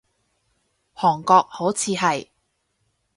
韓國，好似係